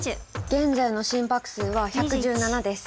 現在の心拍数は１１７です。